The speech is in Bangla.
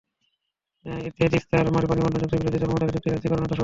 এতে তিস্তার পানিবণ্টন চুক্তির বিরোধিতাকারী মমতাকে চুক্তিতে রাজি করানোটা সহজ হবে।